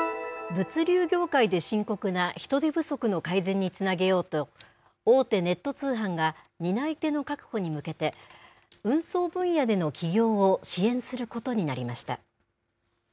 物流業界で深刻な人手不足の改善につなげようと大手ネット通販が担い手の確保に向けて運送分野での起業を支援することになりました。